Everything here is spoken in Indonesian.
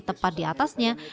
tepat di atas garis katulistiwa